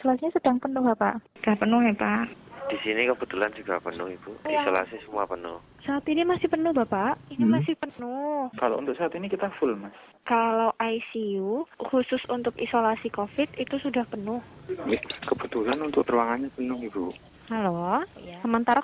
selamat siang mbak mau tanya mbak apa yang kalian mau menanyakan selamat siang mbak mau tanya mbak apa yang kalian mau menanyakan